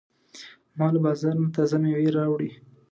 ما له بازار نه تازه مېوې راوړې.